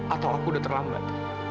atau aku udah terlambat